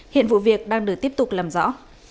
hiện vụ việc đang được tiếp tục làm rõ